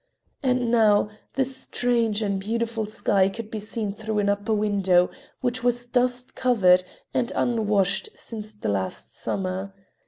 And now the strange and beautiful sky could be seen through an upper window which was dust covered and unwashed since the last summer.